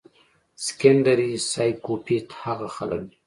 سيکنډري سائکوپېت هاغه خلک وي